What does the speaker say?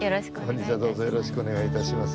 本日はどうぞよろしくお願い致します。